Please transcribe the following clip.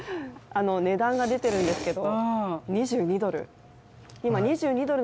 値段が出てるんですけど、２２ドル。